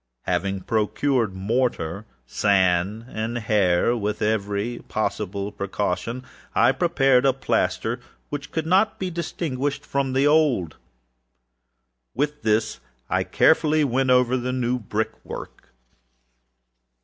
Having procured mortar, sand, and hair, with every possible precaution, I prepared a plaster which could not be distinguished from the old, and with this I very carefully went over the new brickwork.